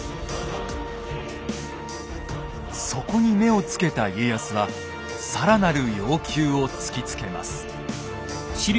そこに目をつけた家康はさらなる要求を突きつけます。